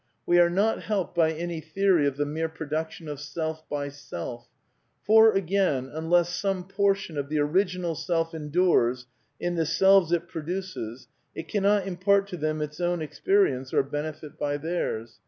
We are not helped by any theory of the mere production of self by self. For, again, unless some portion of the original self endures in the selves it produces it cannot impart to them its own experience or benefit by theirs.